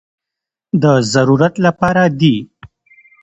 د ضرورت لپاره دي.